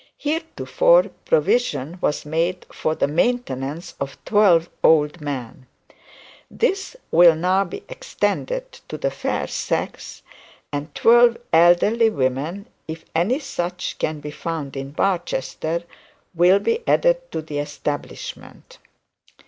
Heretofore, provision was made for the maintenance of twelve old men. This will now be extended to the fair sex, and twelve elderly women if any such can be found in Barchester, will be added to the establishment.